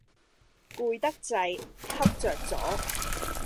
攰得滯，瞌着咗